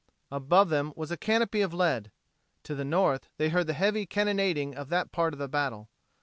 Above them was a canopy of lead. To the north they heard the heavy cannonading of that part of the battle.